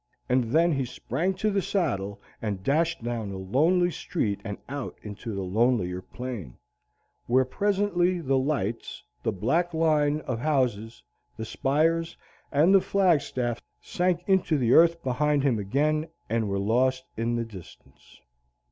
And then he sprang to the saddle and dashed down the lonely street and out into the lonelier plain, where presently the lights, the black line of houses, the spires, and the flagstaff sank into the earth behind him again and were lost in the distance.